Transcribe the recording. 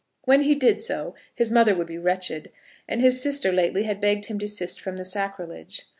When he did so his mother would be wretched, and his sister lately had begged him to desist from the sacrilege.